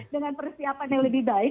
dengan persiapan yang lebih baik